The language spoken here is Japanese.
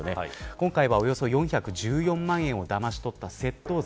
今回はおよそ４１４万円をだまし取った窃盗罪